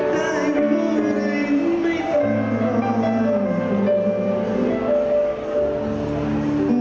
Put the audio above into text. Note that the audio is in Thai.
ได้พูดหรือไม่ต้องขอ